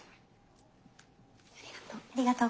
ありがとう。